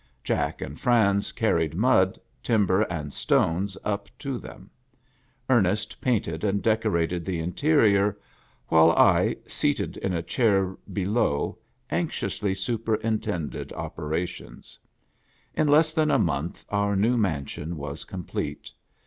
Jack and Franz carried mud, timber, and stones up to them ; Ernest painted and decorated the interior, while I, seated in a chair below anxiously superintended operations. In less than a month our new mansion was complete.